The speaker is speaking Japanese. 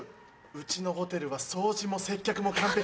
うちのホテルは掃除も接客も完璧！